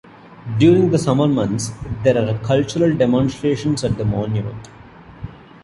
During the summer months, there are cultural demonstrations at the monument.